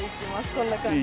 こんな感じ。